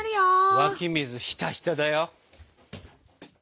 湧き水ひたひただよ！